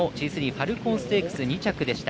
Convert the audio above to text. ファルコンステークスの２着でした。